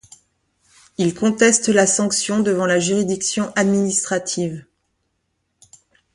Il conteste la sanction devant la juridiction administrative.